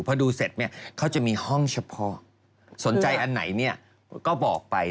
พอดูเสร็จเนี่ยเขาจะมีห้องเฉพาะสนใจอันไหนเนี่ยก็บอกไป